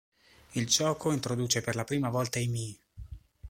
Il gioco introduce per la prima volta i Mii.